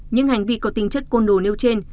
những hành vi có tính chất côn đồ nêu trên